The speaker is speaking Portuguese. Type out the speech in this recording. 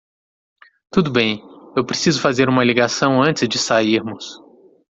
Tudo bem, eu preciso fazer uma ligação antes de sairmos.